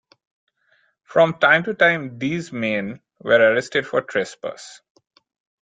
From time to time these men were arrested for trespass.